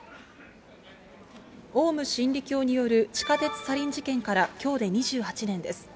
オウム真理教による地下鉄サリン事件からきょうで２８年です。